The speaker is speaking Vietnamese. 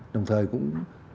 đồng thời cũng